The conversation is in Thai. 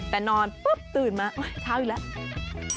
แต่นอนปุ๊บตื่นมาเช้าอีกแล้ว